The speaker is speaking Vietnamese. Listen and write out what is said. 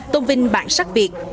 tôn vinh bản sắc việt